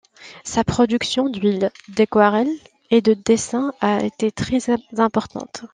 Sa production d'huiles, d'aquarelles, et de dessins a été très importante.